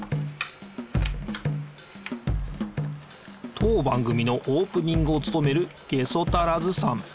当番組のオープニングをつとめるゲソタラズさん。